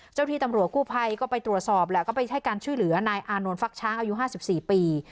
เจ้าที่ตำรวจกู้ภัยก็ไปตรวจสอบแล้วก็ไปให้การช่วยเหลือนายอานนท์ฟักช้างอายุ๕๔ปี